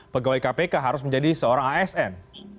pegawai kpk harus menjadi seorang asn